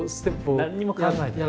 何にも考えてない。